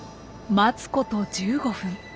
待つこと１５分。